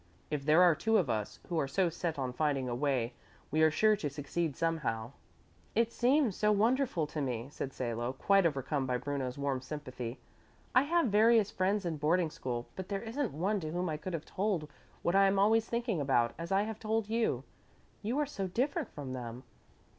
"If there are two of us who are so set on finding a way we are sure to succeed somehow." "It seems so wonderful to me," said Salo, quite overcome by Bruno's warm sympathy. "I have various friends in boarding school, but there isn't one to whom I could have told what I am always thinking about, as I have told you. You are so different from them.